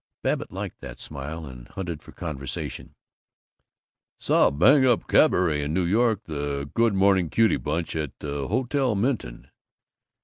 Babbitt liked that smile, and hunted for conversation: "Saw a bang up cabaret in New York: the 'Good Morning Cutie' bunch at the Hotel Minton."